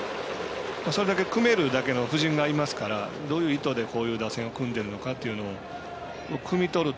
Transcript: それだけ組めるだけの布陣がありますからどういう意図で、こういう打線を組んでるのかというのを汲み取ると。